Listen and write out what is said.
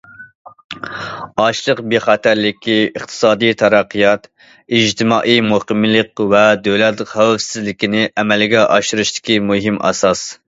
ئاشلىق بىخەتەرلىكى ئىقتىسادىي تەرەققىيات، ئىجتىمائىي مۇقىملىق ۋە دۆلەت خەۋپسىزلىكىنى ئەمەلگە ئاشۇرۇشتىكى مۇھىم ئاساس.